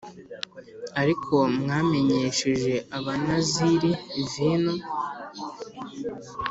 Ariko mwanywesheje Abanaziri vino